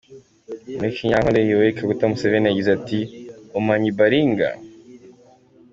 Mu kinyankole, Yoweli Kaguta Museveni, yagize ati: «umanyi baringa»?